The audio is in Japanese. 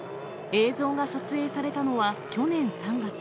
映像が撮影されたのは、去年３月。